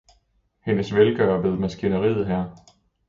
Hendes velgører ved maskineriet, hr.